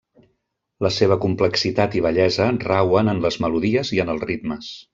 La seva complexitat i bellesa rauen en les melodies i en els ritmes.